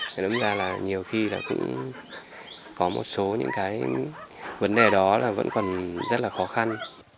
thế đúng ra là nhiều khi là cũng có một số những cái vấn đề đó là vẫn còn rất là khó khăn